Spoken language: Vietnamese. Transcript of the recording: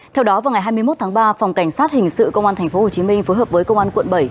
theo đó vào ngày hai mươi một tháng ba phòng cảnh sát hình sự công an tp hcm phối hợp với công an quận bảy